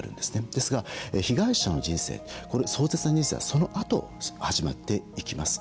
ですが、被害者の人生壮絶な人生はそのあとから始まっていきます。